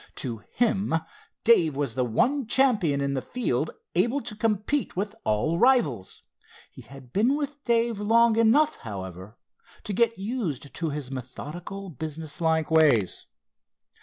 To him Dave was the one champion in the field able to compete with all rivals. He had been with Dave long enough, however, to get used to his methodical business like ways.